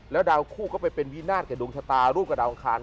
ดาวคู่ก็ไปเป็นวินาศกับดวงชะตารูปกับดาวอังคาร